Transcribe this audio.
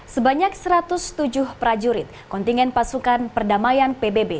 sebanyak satu ratus tujuh prajurit kontingen pasukan perdamaian pbb